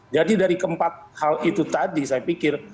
jadi dari keempat hal itu tadi saya pikir